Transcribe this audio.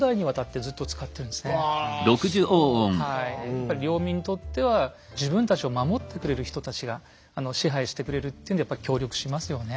やっぱり領民にとっては自分たちを守ってくれる人たちが支配してくれるっていうんでやっぱ協力しますよね。